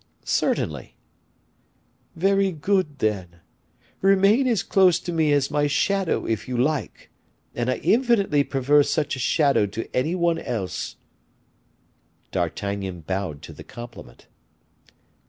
"Certainly." "Very good, then; remain as close to me as my shadow if you like; and I infinitely prefer such a shadow to any one else." D'Artagnan bowed to the compliment.